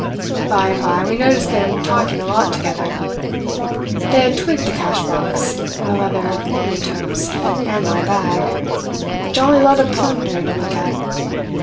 By and by we noticed them talking a lot together. They had twigged the cash box, and the leather portmanteaus, and my bag a jolly lot of plunder to look at.